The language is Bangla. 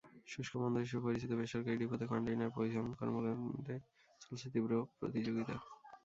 শুষ্ক বন্দর হিসেবে পরিচিত বেসরকারি ডিপোতে কনটেইনার পরিচালন কর্মকাণ্ডে চলছে তীব্র প্রতিযোগিতা।